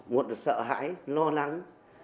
một là sợ hãi lo lắng